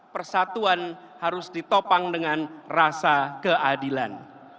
persatuan harus ditopang dengan rasa keadilan